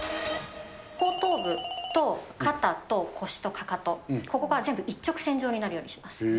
後頭部と肩と、腰とかかと、ここが全部一直線上になるようにします。